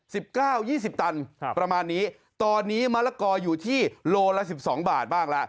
สิบเก้ายี่สิบตันครับประมาณนี้ตอนนี้มะละกออยู่ที่โลละสิบสองบาทบ้างละ